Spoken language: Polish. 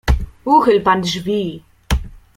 "Uchyl pan drzwi."